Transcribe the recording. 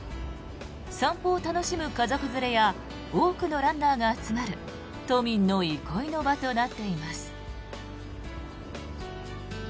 散歩を楽しむ家族連れや多くのランナーが集まる都民の憩いの場となっています。